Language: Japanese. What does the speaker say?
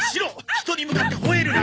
人に向かって吠えるな！